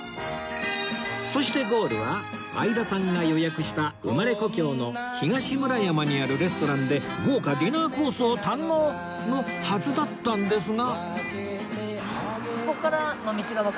そしてゴールは相田さんが予約した生まれ故郷の東村山にあるレストランで豪華ディナーコースを堪能のはずだったんですが